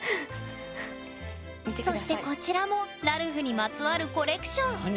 そしてこちらもラルフにまつわるコレクション何？